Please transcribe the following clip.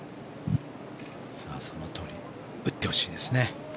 そのとおり打ってほしいですね。